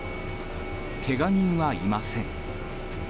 けが人はいません。